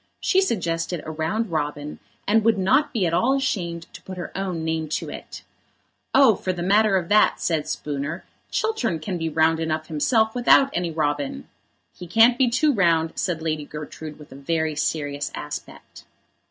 She suggested a round robin and would not be at all ashamed to put her own name to it. "Oh, for the matter of that," said Spooner, "Chiltern can be round enough himself without any robin." "He can't be too round," said Lady Gertrude, with a very serious aspect.